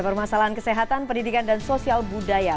permasalahan kesehatan pendidikan dan sosial budaya